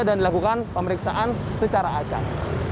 dan dilakukan pemeriksaan secara acak